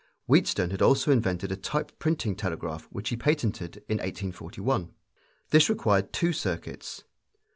Wheatstone had also invented a type printing telegraph, which he patented in 1841. This required two circuits.